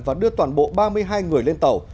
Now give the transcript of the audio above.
và đưa toàn bộ ba mươi hai người lên tàu